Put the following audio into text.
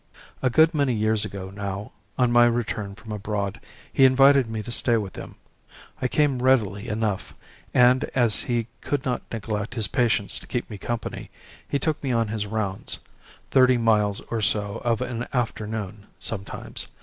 A good many years ago now, on my return from abroad, he invited me to stay with him. I came readily enough, and as he could not neglect his patients to keep me company, he took me on his rounds thirty miles or so of an afternoon, sometimes.